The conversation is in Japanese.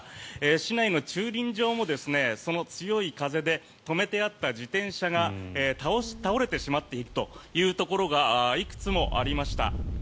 市内の駐輪場も強い風で止めてあった自転車が倒れてしまっているというところがいくつもありました。